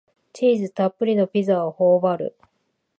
チーズたっぷりのピザをほおばる